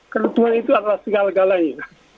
kalau tuhan itu adalah segala galanya